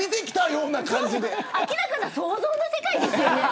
明らかな想像の世界ですよね。